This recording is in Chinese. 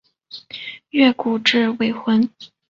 越谷治未婚。